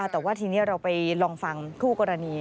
แต่ว่าทีนี้เราไปลองฟังคู่กรณี